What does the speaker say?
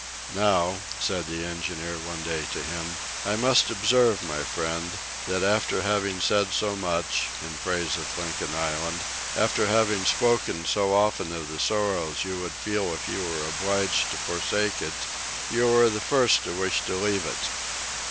"Now," said the engineer one day to him, "I must observe, my friend, that after having said so much, in praise of Lincoln Island, after having spoken so often of the sorrow you would feel if you were obliged to forsake it, you are the first to wish to leave it."